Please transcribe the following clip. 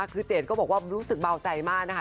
คือเจดก็บอกว่ารู้สึกเบาใจมากนะคะ